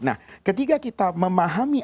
nah ketika kita memahami